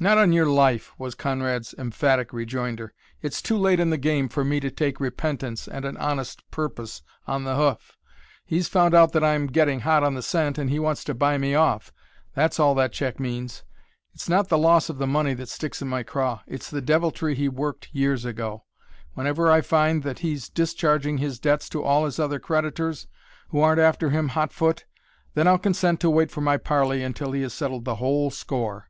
"Not on your life," was Conrad's emphatic rejoinder. "It's too late in the game for me to take repentance and an honest purpose on the hoof! He's found out that I'm getting hot on the scent and he wants to buy me off that's all that check means. It's not the loss of the money that sticks in my craw; it's the deviltry he worked years ago. Whenever I find that he's discharging his debts to all his other creditors, who aren't after him hot foot, then I'll consent to wait for my parley until he has settled the whole score."